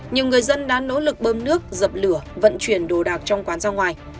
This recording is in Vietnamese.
nhiều người dân đã nỗ lực bơm nước dập lửa vận chuyển đồ đạc trong quán ra ngoài